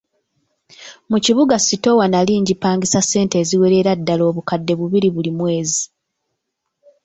Mu kibuga sitoowa nnali ngipangisa ssente eziwerera ddala obukadde bubiri buli mwezi.